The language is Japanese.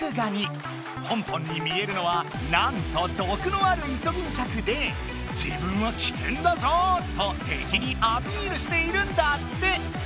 ポンポンに見えるのはなんと毒のあるイソギンチャクで「自分は危険だぞ！」と敵にアピールしているんだって。